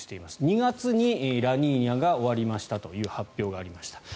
２月にラニーニャが終わりましたという発表がありました。